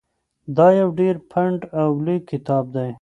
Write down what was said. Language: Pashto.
دا یو ډېر پنډ او لوی کتاب دی.